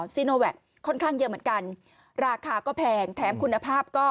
ซีโนแวคค่อนข้างเยอะเหมือนกันราคาก็แพงแถมคุณภาพก็